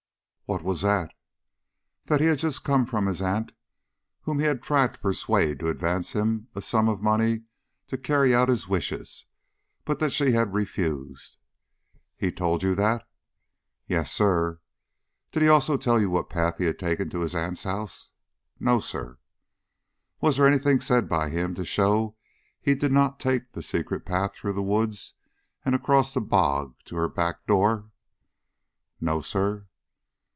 "What was that?" "That he had just come from his aunt whom he had tried to persuade to advance him a sum of money to carry out his wishes, but that she had refused." "He told you that?" "Yes, sir." "Did he also tell you what path he had taken to his aunt's house?" "No, sir." "Was there any thing said by him to show he did not take the secret path through the woods and across the bog to her back door?" "No, sir."